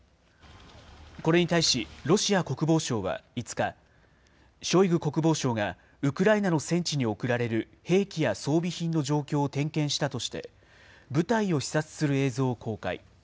これに対し、ロシア国防省は５日、ショイグ国防相がウクライナの戦地に送られる兵器や装備品の状況を点検したとして、部隊を視察する映像を公開。